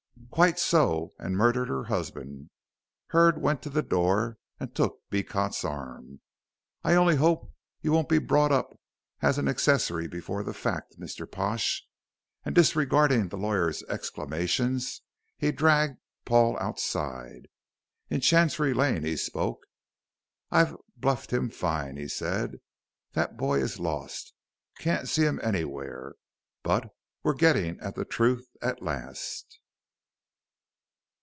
"Quite so, and murdered her husband!" Hurd went to the door and took Beecot's arm. "I only hope you won't be brought up as an accessory before the fact, Mr. Pash," and disregarding the lawyer's exclamations he dragged Paul outside. In Chancery Lane he spoke. "I've bluffed him fine," he said, "that boy is lost. Can't see him anywhere. But we're getting at the truth at last."